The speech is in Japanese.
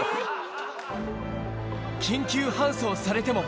緊急搬送されても。